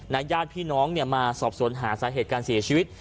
นาย่านพี่น้องเนี่ยมาสอบสวนหาสาเหตุการเสียชีวิต